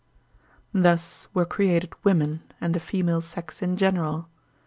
Thus were created women and the female sex in general.